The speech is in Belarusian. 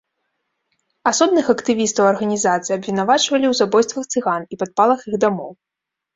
Асобных актывістаў арганізацыі абвінавачвалі ў забойствах цыган і падпалах іх дамоў.